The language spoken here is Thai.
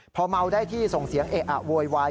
พอเมาได้ที่ส่งเสียงเอะอะโวยวาย